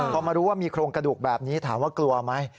พอมารู้ว่ามีโครงกระดูกแบบนี้ถามว่ากลัวไหม